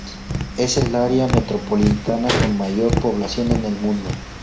Es el área metropolitana con mayor población en el mundo.